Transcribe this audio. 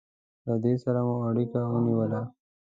له دوی سره مو اړیکه ونیوله.